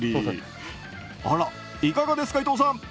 いかがですか、伊藤さん。